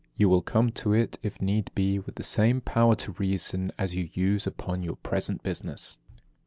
You will come to it, if need be, with the same power to reason, as you use upon your present business.